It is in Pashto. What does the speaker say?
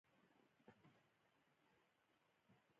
د معدې تکلیف لرم